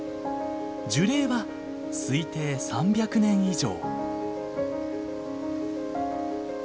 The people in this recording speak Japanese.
樹齢は推定３００年以上。